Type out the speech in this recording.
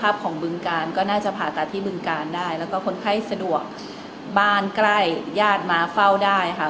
ของบึงการก็น่าจะผ่าตัดที่บึงการได้แล้วก็คนไข้สะดวกบ้านใกล้ญาติมาเฝ้าได้ค่ะ